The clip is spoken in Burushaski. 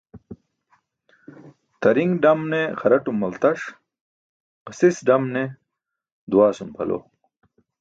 Tari̇ṅ dam ne xaraṭum maltaş, ġasis dam ne duwaasum pʰalo.